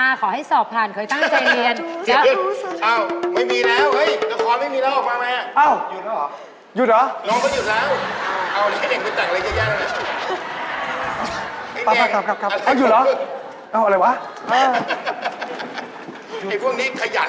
ค่ะขอให้สอบผ่านขอให้ตั้งใจเรียน